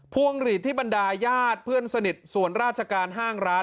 วงหลีดที่บรรดาญาติเพื่อนสนิทส่วนราชการห้างร้าน